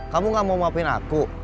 kamu nggak mau maafin aku